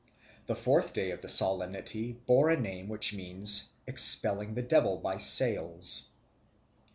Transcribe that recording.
The fourth day of the solemnity bore a name which means "Expelling the Devil by Sails."